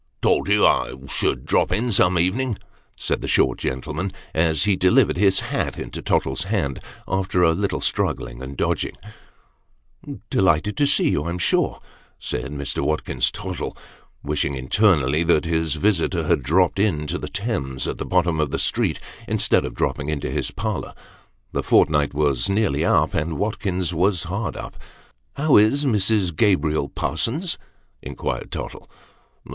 " Told you I should drop in some evening," said the short gentle man, as he delivered his hat into Tottle's hand, after a little struggling and dodging." " Delighted to see you, I'm sure," said Mr. Watkins Tottle, wishing internally that his visitor had " dropped in " to the Thames at the bottom of the street, instead of dropping into his parlour. The fort night was nearly up, and Watkins was hard up. " How is Mrs. Gabriel Parsons ?" inquired Tottle.